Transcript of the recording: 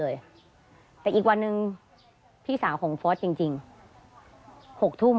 เพื่อที่จะได้หายป่วยทันวันที่เขาชีจันทร์จังหวัดชนบุรี